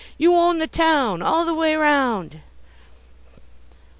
"You own the town!" "All the way round!"